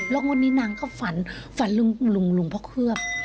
แล้ววันนี้นางก็ฝันฝันลุงพระเคลือบ